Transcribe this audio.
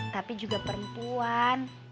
tapi juga perempuan